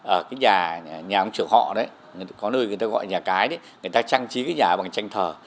ở cái nhà nhà ông trược họ đấy có nơi người ta gọi nhà cái đấy người ta trang trí cái nhà bằng tranh thờ